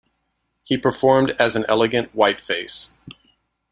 He performed as an elegant Whiteface.